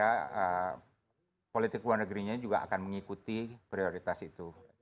dan kemungkinan negara negara lainnya juga akan mengikuti prioritas itu